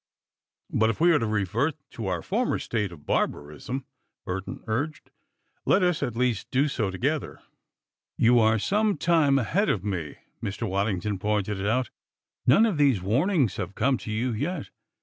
"But if we are to revert to our former state of barbarism," Burton urged, "let us at least do so together." "You are some time ahead of me," Mr. Waddington pointed out. "None of these warnings have come to you yet.